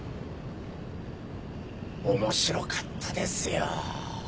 面白かったですよ。